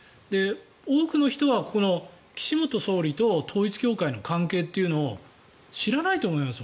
多くの人は、岸元総理と統一教会の関係というのを知らないと思います。